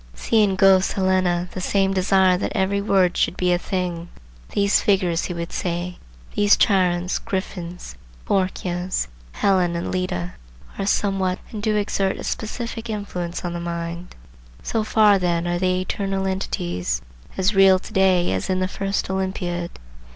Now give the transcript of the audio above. See in Goethe's Helena the same desire that every word should be a thing. These figures, he would say, these Chirons, Griffins, Phorkyas, Helen and Leda, are somewhat, and do exert a specific influence on the mind. So far then are they eternal entities, as real to day as in the first Olympiad.